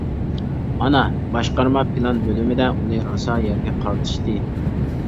مانا، باشقارما پىلان بۆلۈمىدە ئۇنى راسا يەرگە قارىتىشتى.